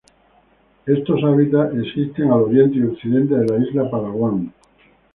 Estos hábitats existen al oriente y occidente de la isla Palawan.